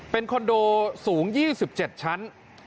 เป็นคอนโดสูง๒๗ชั้น